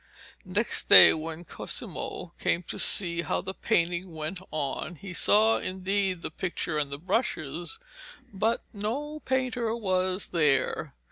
Next day, when Cosimo came to see how the painting went on, he saw indeed the pictures and the brushes, but no painter was there.